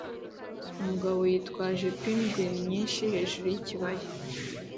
Umugabo yitwaje pingwin nyinshi hejuru yikibaya